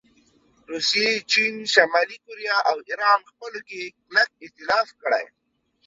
روسیې، چین، شمالي کوریا او ایران خپلو کې کلک ایتلاف کړی